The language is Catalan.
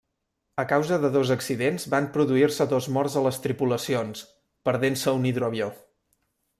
A causa de dos accidents van produir-se dos morts a les tripulacions, perdent-se un hidroavió.